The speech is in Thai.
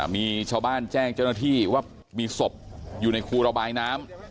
มีชาวบ้านแจ้งเจ้าหน้าที่ว่ามีศพอยู่ในคูระบายน้ำ